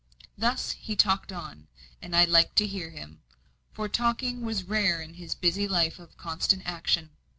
Thus he talked on, and I liked to hear him, for talking was rare in his busy life of constant action.